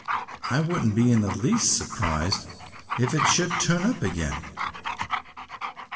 I wouldn't be in the least surprised if it should turn up again!"